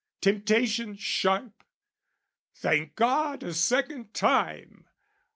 Temptation sharp? Thank God a second time!